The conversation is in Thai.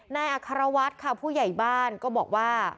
นายอัครวัฒน์ค่ะผู้ใหญ่บ้านก็บอกว่า